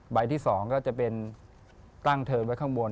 ใบที่๒ก็จะเป็นตั้งเทินไว้ข้างบน